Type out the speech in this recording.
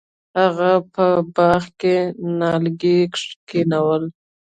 هغه په باغ کې نیالګي کینول.